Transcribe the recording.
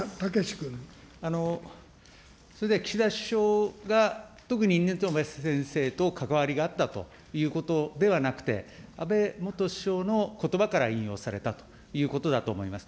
岸田首相が特に新渡戸先生と関わりがあったということではなくて、安倍元首相のことばから引用されたということだと思います。